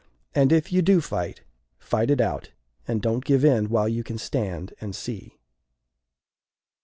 And if you do fight, fight it out; and don't give in while you can stand and see."